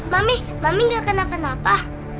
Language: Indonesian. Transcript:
mami mami nggak kenapa napa